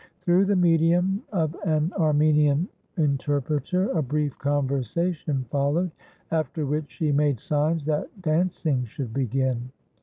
Through the medium of an Armenian interpreter a brief conversation followed, after which she made signs that dancing should begin.